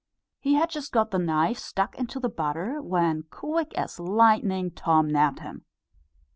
He had just got the knife stuck into the butter, when, quick as lightning, Tom nabbed him.